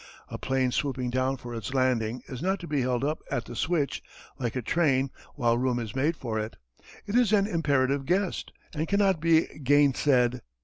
A plane swooping down for its landing is not to be held up at the switch like a train while room is made for it. It is an imperative guest, and cannot be gainsaid.